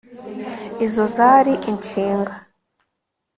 Izo zari inshinga